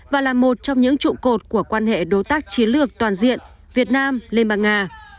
và là một trong những trụ cột của quan hệ đối tác chiến lược toàn diện việt nam liên bang nga